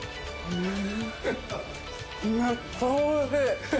うん！